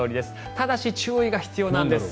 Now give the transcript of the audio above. ただし、注意が必要なんです。